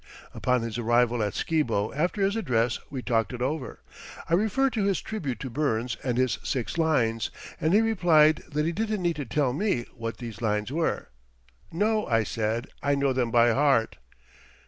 Upon his arrival at Skibo after this address we talked it over. I referred to his tribute to Burns and his six lines, and he replied that he didn't need to tell me what lines these were. "No," I said, "I know them by heart."